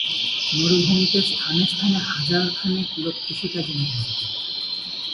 মরুভূমিতে স্থানে স্থানে হাজার খানেক লোক কৃষিকাজে নিয়োজিত।